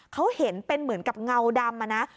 เขาเห็นเป็นเหมือนกับเงาดำอะนะ